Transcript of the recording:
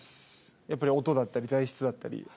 やっぱり音だったり材質だったり。